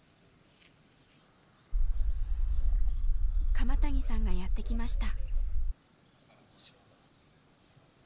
鎌谷さんがやって来ました。